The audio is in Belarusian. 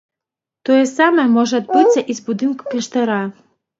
Тое самае можа адбыцца і з будынкам кляштара.